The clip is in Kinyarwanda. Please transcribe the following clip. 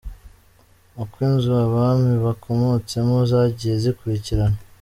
Uko inzu Abami bakomotsemo zagiye zikurikirana.